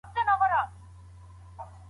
په شخړو کي د نجلۍ ورکول انساني کار نه دی.